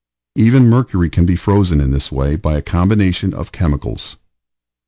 Even mercury can be frozen in this way by a combination of chemicals.